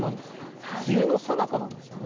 梅雨のさなかなんですよね。